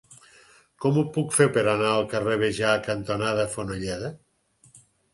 Com ho puc fer per anar al carrer Béjar cantonada Fonolleda?